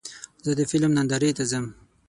زه د فلم نندارې ته ځم.